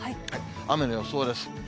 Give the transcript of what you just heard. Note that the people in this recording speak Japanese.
雨の予想です。